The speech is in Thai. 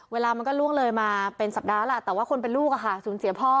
เวลามันก็ล่วงเลยมาเป็นสัปดาห์แล้วแต่ว่าคนเป็นลูกสูญเสียพ่อ